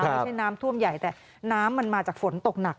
ไม่ใช่น้ำท่วมใหญ่แต่น้ำมันมาจากฝนตกหนัก